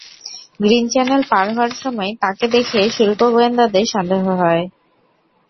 Green channel পার হওয়ার সময় তাঁকে দেখে শুল্ক গোয়েন্দাদের সন্দেহ হয়।